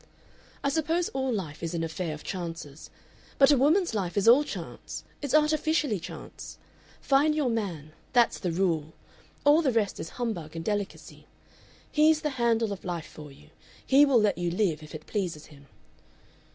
"I suppose all life is an affair of chances. But a woman's life is all chance. It's artificially chance. Find your man, that's the rule. All the rest is humbug and delicacy. He's the handle of life for you. He will let you live if it pleases him....